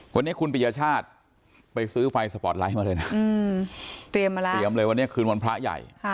วันนี้คุณปิยชาติไปซื้อไฟสปอร์ตไลท์มาเลยนะเตรียมมาแล้วเตรียมเลยวันนี้คืนวันพระใหญ่